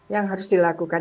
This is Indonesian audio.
yang harus dilakukan